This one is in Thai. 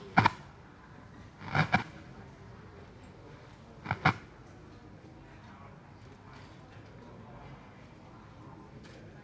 ข้างข้างไม่ได้ข้างข้างไม่ได้